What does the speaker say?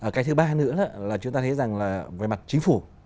cái thứ ba nữa là chúng ta thấy rằng là về mặt chính phủ